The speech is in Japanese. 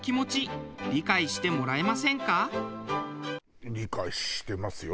理解してますよ。